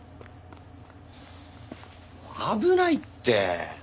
危ないって！